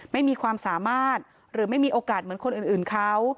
ไม่มีความสามารถหรือไม่มีโอกาสเหมือนคนอื่นเขา